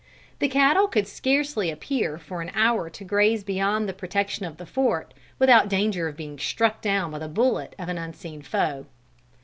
The cattle could scarcely appear for an hour to graze beyond the protection of the fort, without danger of being struck down by the bullet of an unseen foe.